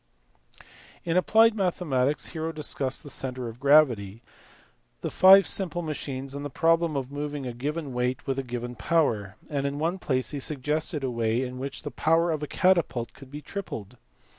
In applied mathematics Hero discussed the centre of gravity, the live simple machines, and the problem of moving a given weight with a given power; and in one place he suggested a way in which the power of a catapult could be tripled.